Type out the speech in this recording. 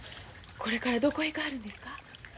これからどこへ行かはるんですか？